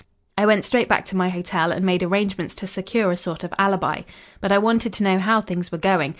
I went straight back to my hotel, and made arrangements to secure a sort of alibi. But I wanted to know how things were going.